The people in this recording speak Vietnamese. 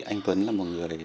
anh tuấn là một người